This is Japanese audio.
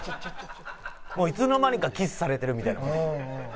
「もういつの間にかキスされてるみたいな」